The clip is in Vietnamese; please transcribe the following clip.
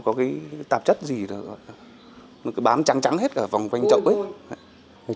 nó có cái tạp chất gì đó nó cứ bám trắng trắng hết cả vòng quanh chậu ấy